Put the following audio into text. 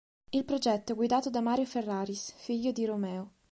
Il progetto è guidato da Mario Ferraris, figlio di Romeo.